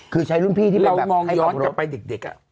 คือใช้รุ่นพี่ที่เป็นแบบให้รับรวมปุ๊บแล้วมองย้อนกลับไปเด็ก